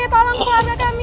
tolong keluarga kami